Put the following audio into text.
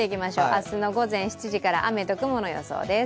明日の午前７時から雨と雲の予想です。